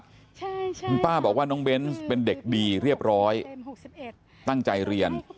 ใช่คุณป้าบอกว่าน้องเบนส์เป็นเด็กดีเรียบร้อยตั้งใจเรียน